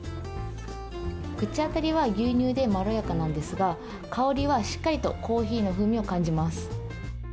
口当たりは牛乳でまろやかなんですが、香りはしっかりとコーヒーの風味を感じます。